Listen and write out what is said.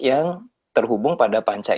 yang terhubung pada pancai